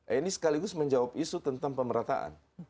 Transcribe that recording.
ini sekaligus menjawab isu tentang pemerataan